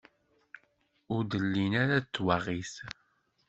Ur llin ara d tawaɣit.